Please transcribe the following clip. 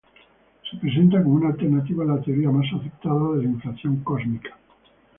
Se presenta como una alternativa a la teoría más aceptada de la inflación cósmica.